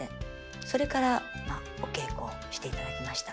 それからお稽古をしていただきました。